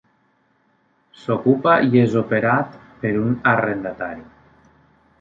S'ocupa i és operat per un arrendatari.